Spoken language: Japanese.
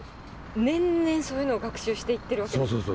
年々そういうの学習していってるわけですか。